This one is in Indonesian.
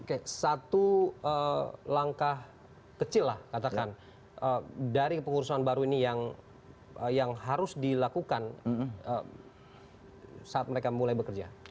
oke satu langkah kecil lah katakan dari kepengurusan baru ini yang harus dilakukan saat mereka mulai bekerja